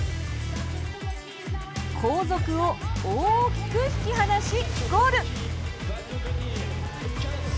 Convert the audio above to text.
後続を大きく引き離し、ゴール。